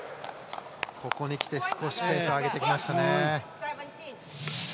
ここにきて少しペースを上げてきましたね。